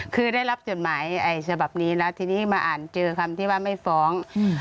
คือได้รับจดหมายฉบับนี้แล้วทีนี้มาอ่านเจอคำที่ว่าไม่ฟ้อง